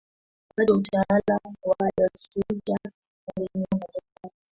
Wakati wa utawala wa Adolf Hitler alihamia Marekani.